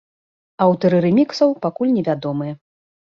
Аўтары рэміксаў пакуль невядомыя.